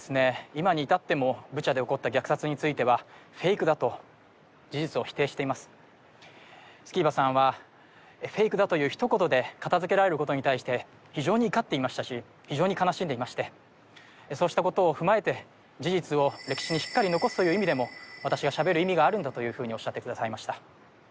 今にいたってもブチャで起こった虐殺についてはフェイクだと事実を否定していますスキーバさんはフェイクだというひと言で片づけられることに対して非常に怒っていましたし非常に悲しんでいましてそうしたことを踏まえて事実を歴史にしっかり残すという意味でも私がしゃべる意味があるんだというふうにおっしゃってくださいました